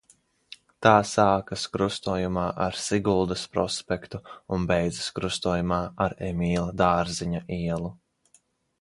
Tā sākas krustojumā ar Siguldas prospektu un beidzas krustojumā ar Emīla Dārziņa ielu.